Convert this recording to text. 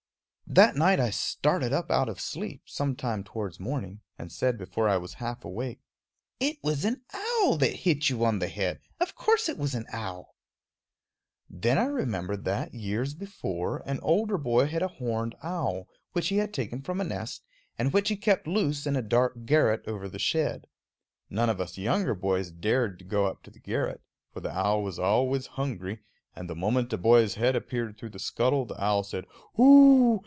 That night I started up out of sleep, some time towards morning, and said before I was half awake: "It was an owl that hit you on the head of course it was an owl!" Then I remembered that, years before, an older boy had a horned owl, which he had taken from a nest, and which he kept loose in a dark garret over the shed. None of us younger boys dared go up to the garret, for the owl was always hungry, and the moment a boy's head appeared through the scuttle the owl said _Hoooo!